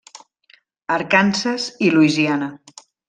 Arkansas i Louisiana.